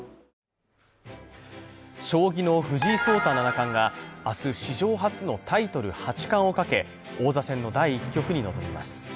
将棋の藤井聡太七冠が明日、史上初のタイトル八冠をかけ王座戦の第１局に臨みます。